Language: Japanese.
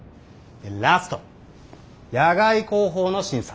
ラスト野外航法の審査。